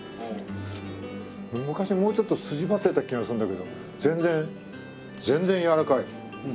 昔はもうちょっと筋張ってた気がするんだけど全然全然やわらかい。